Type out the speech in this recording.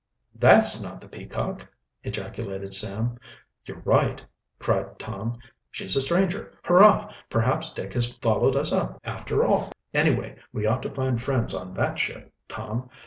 "That's not the Peacock!" ejaculated Sam. "You're right!" cried Tom. "She's a stranger. Hurrah! Perhaps Dick has followed us up, after all!" "Anyway, we ought to find friends on that ship, Tom.